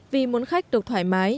vì muốn khách được thoải mái